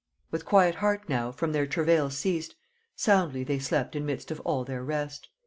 With quiet heart now from their travails ceast Soundly they slept in midst of all their rest."